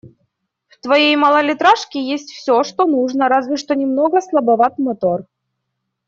В твоей малолитражке есть всё, что нужно, разве что немного слабоват мотор.